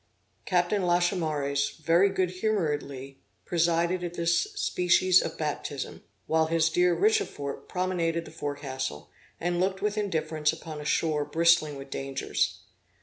Captain Lachaumareys very good humoredly presided at this species of baptism, while his dear Richefort promenaded the forecastle, and looked with indifference upon a shore bristling with dangers.